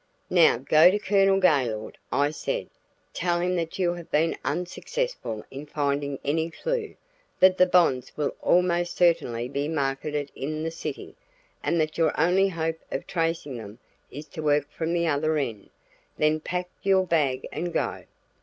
"Now go to Colonel Gaylord," I said, "tell him that you have been unsuccessful in finding any clue; that the bonds will almost certainly be marketed in the city, and that your only hope of tracing them is to work from the other end. Then pack your bag and go.